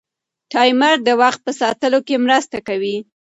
ټایمر د وخت په ساتلو کې مرسته کوي.